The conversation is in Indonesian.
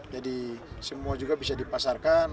jadi semua juga bisa dipasarkan